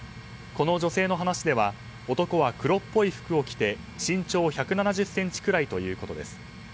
この女性の話では男は黒っぽい服を着て身長１７０ｃｍくらいということです。